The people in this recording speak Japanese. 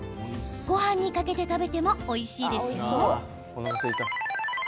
ごはんにかけて食べてもおいしいですよ。